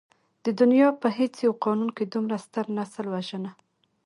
د دنيا په هېڅ يو قانون کې دومره ستر نسل وژنه.